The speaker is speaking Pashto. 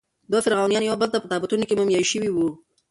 دوه فرعونیان یوبل ته په تابوتونو کې مومیایي شوي وو.